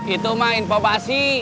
itu mah informasi